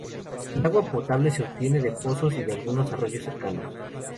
El agua potable se obtiene de pozos y de algunos arroyos cercanos.